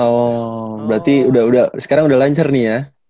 oh berarti sekarang udah lancar nih ya